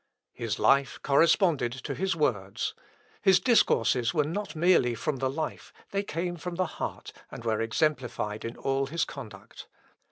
His life corresponded to his words his discourses were not merely from the life, they came from the heart, and were exemplified in all his conduct.